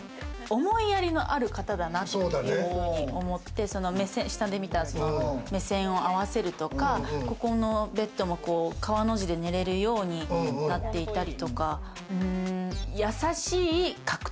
思いやりのある方だなっていうふうに思って、下で見た目線を合わせるとか、ここのベッドも川の字で寝れるようになっていたりとか。